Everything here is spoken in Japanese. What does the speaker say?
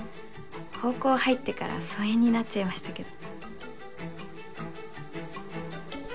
高校入ってから疎遠になっちゃいましたけど。